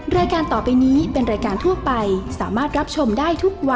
รายการต่อไปนี้เป็นรายการทั่วไปสามารถรับชมได้ทุกวัย